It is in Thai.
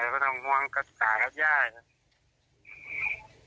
พ่อกับสาวครับย่า